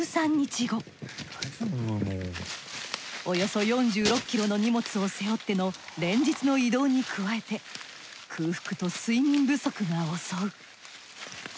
およそ４６ｋｇの荷物を背負っての連日の移動に加えて空腹と睡眠不足が襲う。